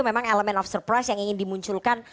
memang elemen of surprise yang ingin dimunculkan